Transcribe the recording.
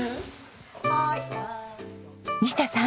西田さん！